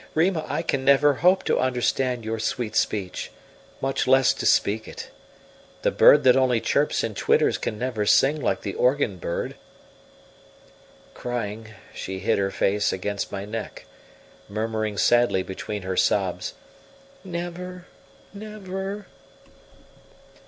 Rima, I can never hope to understand your sweet speech, much less to speak it. The bird that only chirps and twitters can never sing like the organ bird." Crying, she hid her face against my neck, murmuring sadly between her sobs: "Never never!"